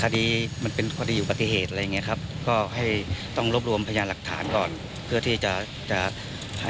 ตั้งแต่ผมแจ้งความไปครับ